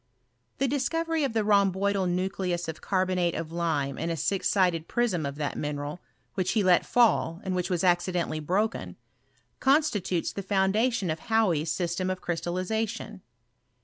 The discovery of the jiiomboidal nucleus of carbonate of lime in a six nded prism of that mineral, which he let fall, ami which was accidentally broken, constitutes the ibun <datkm of Hauy's system of crystallization.